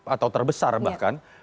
atau terbesar bahkan